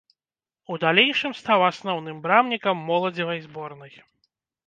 У далейшым стаў асноўным брамнікам моладзевай зборнай.